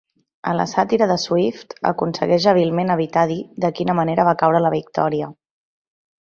A la sàtira de Swift, aconsegueix hàbilment evitar dir de quina manera va caure la victòria.